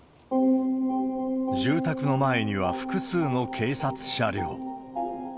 住宅の前には複数の警察車両。